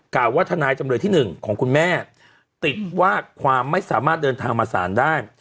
่าว่าทนายจำเลยที่๑ของคุณแม่ติดว่าความไม่สามารถเดินทางมาศาลได้